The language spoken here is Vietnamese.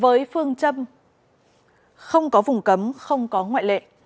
với phương châm không có vùng cấm không có ngoại lệ